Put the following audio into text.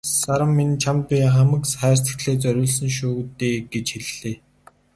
"Саран минь чамд би хамаг хайр сэтгэлээ зориулсан шүү дээ" гэж хэллээ.